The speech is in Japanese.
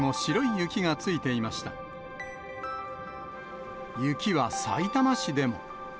雪はさいたま市でも。